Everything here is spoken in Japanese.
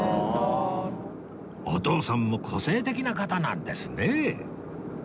お父さんも個性的な方なんですね